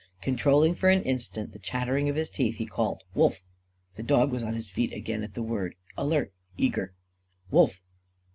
Controlling for an instant the chattering of his teeth, he called: "Wolf!" The dog was on his feet again at the word; alert, eager. "Wolf!"